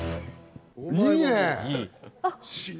いいね。